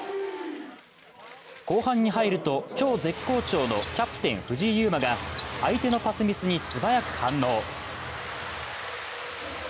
後半に入ると、今日絶好調のキャプテン・藤井祐眞が相手のパスミスに素早く反応。